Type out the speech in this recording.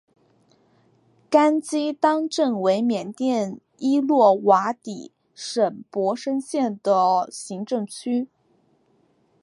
甘基当镇为缅甸伊洛瓦底省勃生县的行政区。